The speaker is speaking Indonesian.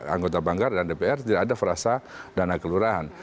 anggota banggar dan dpr tidak ada frasa dana kelurahan